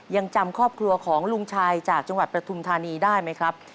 ยังจำครอบครัวของลุงชายจากจังหวัดปฐุมธานีได้ไหมครับ